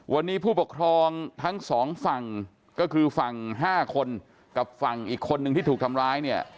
วันนี้ผู้ปกครองทั้งสองฝั่งก็คือฝั่ง๕คนกับฝั่งอีกคนนึงที่ถูกทำร้ายเนี่ย